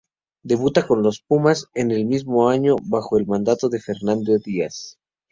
Debuta con los "pumas" en el mismo año, bajo el mando de Fernando Díaz.